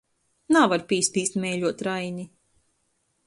Navar pīspīst meiļuot Raini.